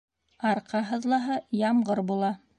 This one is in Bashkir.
Арҡа һыҙлаһа, ямғыр була.